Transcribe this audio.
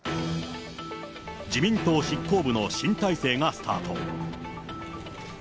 自民党執行部の新体制がスタート。